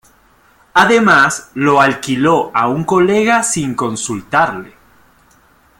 Además, lo "alquiló" a un colega sin consultarle.